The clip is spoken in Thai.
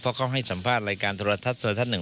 เพราะเขาให้สัมภาษณ์รายการทรทัศน์๑